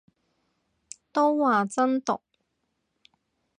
都話真毒